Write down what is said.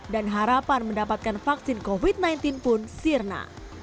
dan harapan mendapatkan vaksin covid sembilan belas pun sirna